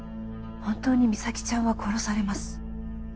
本当に実咲ちゃんは殺されます